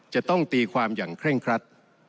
จะต้องตีความอย่างเคร่งครัด